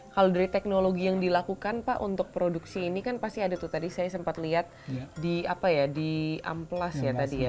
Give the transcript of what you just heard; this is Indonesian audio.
kalau dari teknologi yang dilakukan pak untuk produksi ini kan pasti ada tuh tadi saya sempat lihat di apa ya di amplas ya tadi ya